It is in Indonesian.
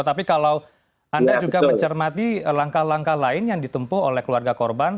tapi kalau anda juga mencermati langkah langkah lain yang ditempuh oleh keluarga korban